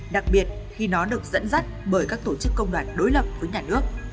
đặc biệt khi nó được dẫn dắt bởi các tổ chức công đoàn đối lập với nhà nước